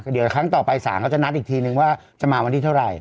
เดี๋ยวครั้งต่อไปศาลเขาจะนัดอีกทีนึงว่าจะมาวันที่เท่าไหร่